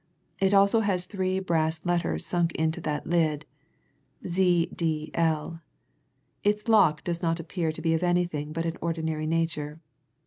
It has also three brass letters sunk into that lid Z. D. L. Its lock does not appear to be of anything but an ordinary nature.